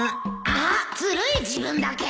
あっずるい自分だけ！